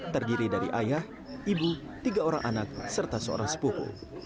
terdiri dari ayah ibu tiga orang anak serta seorang sepupu